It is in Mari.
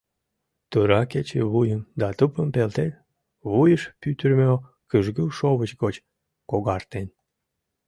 Тура кече вуйым да тупым пелтен, вуйыш пӱтырымӧ кӱжгӱ шовыч гоч когартен.